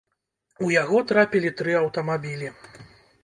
У яго трапілі тры аўтамабілі.